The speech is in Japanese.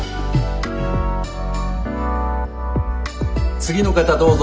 ・次の方どうぞ。